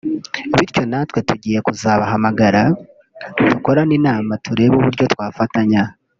bityo natwe tugiye kuzabahamagara dukorane inama turebe uburyo twafatanya